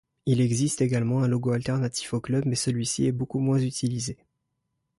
Il existe également un logo alternatif au club mais celui-ci est beaucoup moins utilisé.